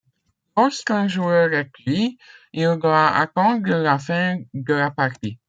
Lorsqu'un joueur est tué, il doit attendre la fin de la partie.